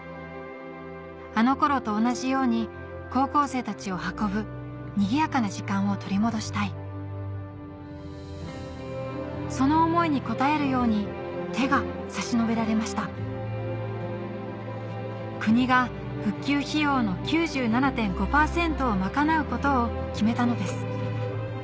あの頃と同じように高校生たちを運ぶにぎやかな時間を取り戻したいその思いに応えるように手が差し伸べられました国が復旧費用の９７．５％を賄うことを決めたのです